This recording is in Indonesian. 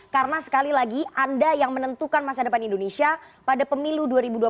karena sekali lagi anda yang menentukan masa depan indonesia pada pemilu dua ribu dua puluh empat